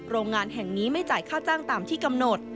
โรงงานแห่งนี้ไม่จ่ายค่าจ้างตามที่กำหนด